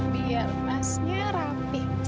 biar emasnya rapih